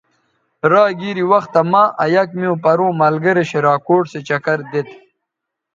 را گیری وختہ مہ آ یک میوں پروں ملگرے شراکوٹ سو چکر دیتھ